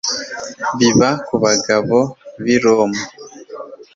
biba Ku bagabo bi Roma